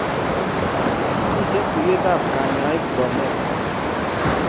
Miten tuyet ab kanyaiki Bomet